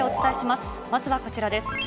まずはこちらです。